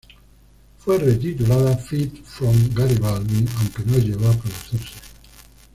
Fue retitulada "Fifth From Garibaldi", aunque no llegó a producirse.